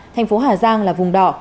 thành phố hà giang là vùng đỏ